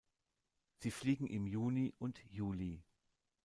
Sie fliegen im Juni und Juli.